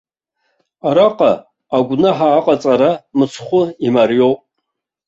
Араҟа агәнаҳа аҟаҵара мыцхәы имариоуп.